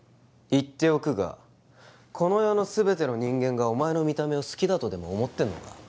言っておくがこの世の全ての人間がお前の見た目を好きだとでも思ってんのか？